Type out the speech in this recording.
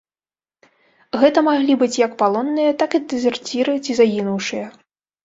Гэта маглі быць як палонныя, так і дэзерціры ці загінуўшыя.